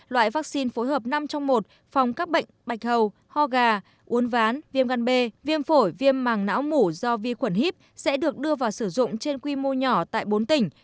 loại vaccine phối hợp năm trong một phòng các bệnh bạch hầu ho gà uốn ván viêm gan b viêm phổi viêm màng não mủ do vi khuẩn hiếp sẽ được đưa vào sử dụng trên quy mô nhỏ tại bốn tỉnh